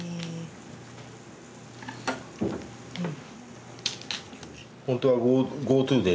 うん。